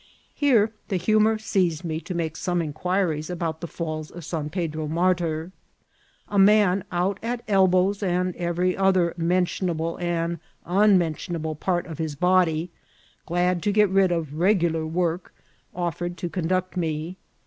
Here the humour seized me to make some inquiries about the foils of San Pedro Martyr. A man out at el bows, and every other mentionahle and unmentionable part of his body, glad to get rid of regular work, offered to conduct me.